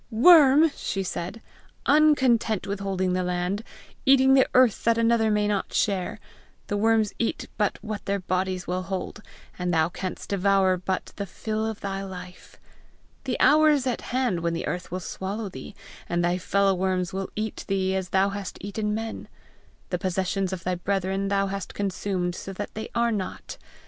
"Worm!" she said, "uncontent with holding the land, eating the earth that another may not share! the worms eat but what their bodies will hold, and thou canst devour but the fill of thy life! The hour is at hand when the earth will swallow thee, and thy fellow worms will eat thee, as thou hast eaten men. The possessions of thy brethren thou hast consumed, so that they are not!